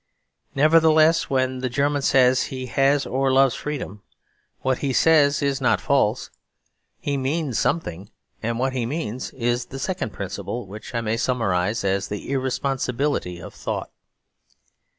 Nevertheless, when the German says he has or loves freedom, what he says is not false. He means something; and what he means is the second principle, which I may summarise as the Irresponsibility of Thought.